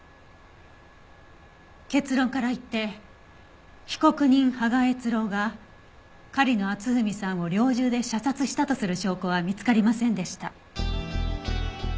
結論から言って被告人芳賀悦郎が狩野篤文さんを猟銃で射殺したとする証拠は見つかりませんでした。